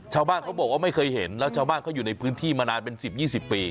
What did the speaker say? ชาวบ้านเขาบอกว่าไม่เคยเห็นแล้วชาวบ้านเขาอยู่ในพื้นที่มานานเป็น๑๐๒๐ปี